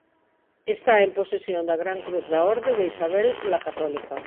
Está en posesión da Gran Cruz da Orde de Isabel la Católica.